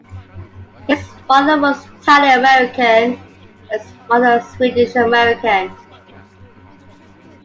His father was Italian American and his mother Swedish American.